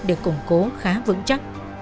được củng cố khá vững chắc